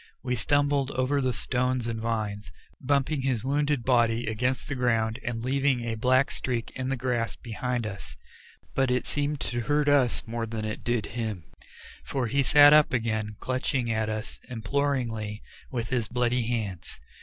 We stumbled over the stones and vines, bumping his wounded body against the ground and leaving a black streak in the grass behind us, but it seemed to hurt us more than it did him, for he sat up again clutching at us imploringly with his bloody hands.